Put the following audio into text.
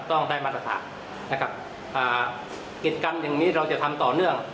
ต้องได้มาตรฐานนะครับอ่ากิจกรรมอย่างนี้เราจะทำต่อเนื่อง